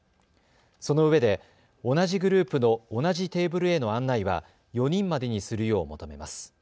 そのうえで同じグループの同じテーブルへの案内は４人までにするよう求めます。